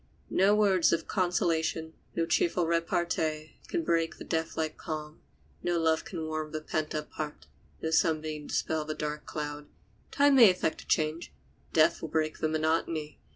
No words of consolation, no cheerful repartee can break the death like calm; no love can warm the pent up heart, no sunbeam dispel the dark cloud. Time may effect a change; death will break the monotony.